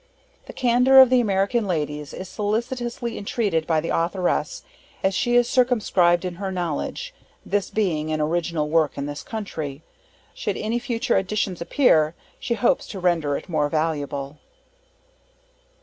The candor of the American Ladies is solicitously intreated by the Authoress, as she is circumscribed in her knowledge, this being an original work in this country. Should any future editions appear, she hopes to render it more valuable.